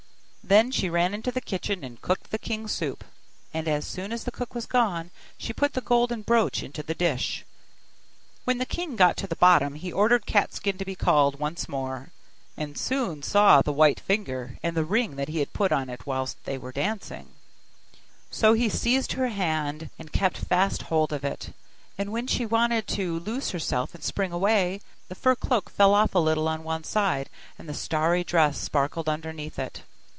Then she ran into the kitchen, and cooked the king's soup; and as soon as the cook was gone, she put the golden brooch into the dish. When the king got to the bottom, he ordered Cat skin to be called once more, and soon saw the white finger, and the ring that he had put on it whilst they were dancing: so he seized her hand, and kept fast hold of it, and when she wanted to loose herself and spring away, the fur cloak fell off a little on one side, and the starry dress sparkled underneath it.